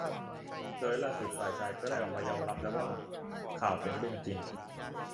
โดยล่าสุดฝ่ายชายก็ได้ออกมายอมรับแล้วว่าข่าว เป็นเรื่องจริง